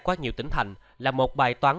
quá nhiều tỉnh thành là một bài toán